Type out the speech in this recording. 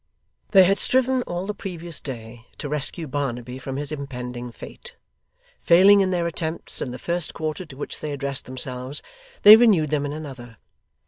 They had striven, all the previous day, to rescue Barnaby from his impending fate. Failing in their attempts, in the first quarter to which they addressed themselves, they renewed them in another.